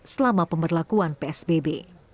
selama pemberlakuan psbb